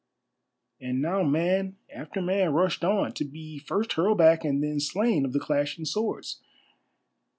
And now man after man rushed on, to be first hurled back and then slain of the clashing swords.